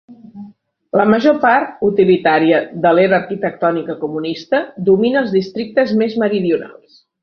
La major part utilitària de l'era arquitectònica comunista domina els districtes més meridionals.